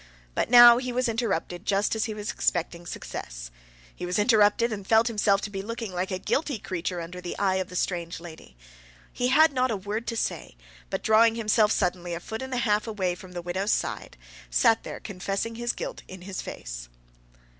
But now he was interrupted just as he was expecting success. He was interrupted, and felt himself to be looking like a guilty creature under the eye of the strange lady. He had not a word to say; but drawing himself suddenly a foot and half away from the widow's side, sat there confessing his guilt in his face.